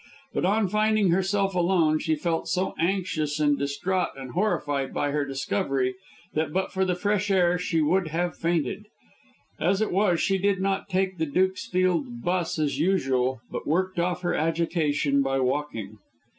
But on finding herself alone, she felt so anxious and distraught and horrified by her discovery, that but for the fresh air she would have fainted. As it was she did not take the Dukesfield 'bus as usual, but worked off her agitation by walking.